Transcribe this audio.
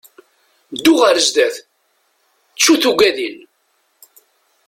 Ddu ɣer sdat, ttu tuggadin!